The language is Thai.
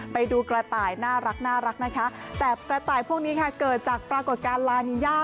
ไปดูกระต่ายน่ารักนะคะแต่กระต่ายพวกนี้ค่ะเกิดจากปรากฏการณ์ลานีย่า